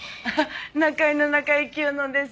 仲居の中井清乃です。